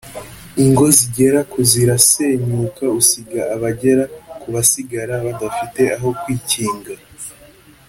ingo zigera ku zirasenyuka usiga abagera ku basigara badafite aho kwikinga